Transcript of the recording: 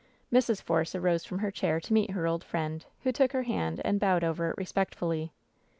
Mrs. Force arose from her chair to meet her old friend, who took her hand and bowed over it respect fully.